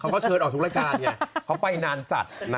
เขาก็เชิญออกทุกรายการไงเขาไปนานจัด